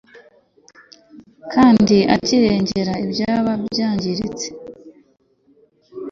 kandi akirengera ibyaba byangiritse